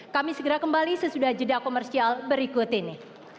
kami segera kembali sesudah jeda komersial berikut ini